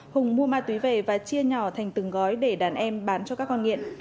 hùng mua ma túy về và chia nhỏ thành từng gói để đàn em bán cho các con nghiện